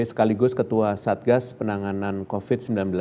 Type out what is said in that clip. sekaligus ketua satgas penanganan covid sembilan belas